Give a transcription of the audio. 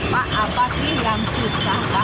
pak apa sih yang susah